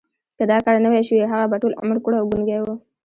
که دا کار نه وای شوی هغه به ټول عمر کوڼ او ګونګی و